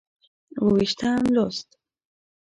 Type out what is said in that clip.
اووه ویشتم لوست